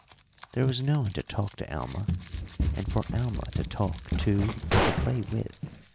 There was no one to talk to Alma and for Alma to talk to or to play with.